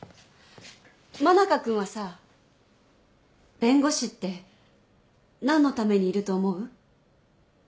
真中君はさ弁護士って何のためにいると思う？